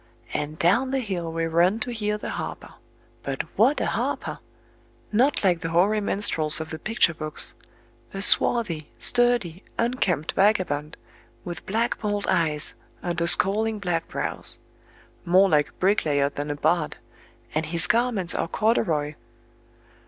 And down the hill we run to hear the harper... But what a harper! Not like the hoary minstrels of the picture books. A swarthy, sturdy, unkempt vagabond, with black bold eyes under scowling black brows. More like a bricklayer than a bard,—and his garments are corduroy!